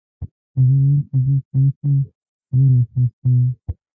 هغه وویل چې زه ستاسې وېره احساسوم.